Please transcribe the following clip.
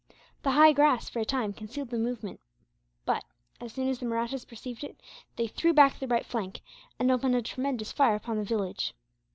The high grass, for a time, concealed the movement but, as soon as the Mahrattas perceived it they threw back their right flank, and opened a tremendous fire upon the village.